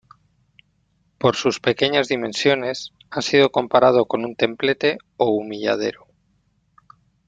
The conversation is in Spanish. Por sus pequeñas dimensiones, ha sido comparado con un templete o humilladero.